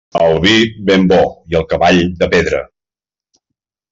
El vi ben bo i el cavall de pedra.